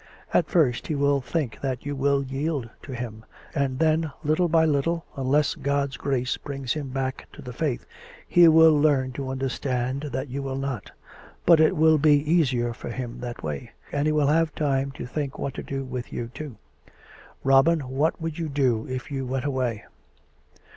At first he will think that you will yield to him ; and then, little by little (unless God's grace brings himself back to the Faith), he will learn to understand that you will not. But it will be easier for him that way; and he will have time to think what to do with you, too. ... Robin, what would you do if you went away?